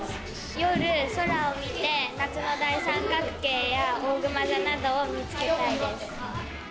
夜、空を見て、夏の大三角形やおおぐま座などを見つけたいです。